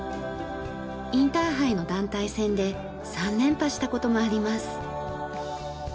インターハイの団体戦で３連覇した事もあります。